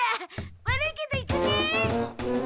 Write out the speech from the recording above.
悪いけど行くね。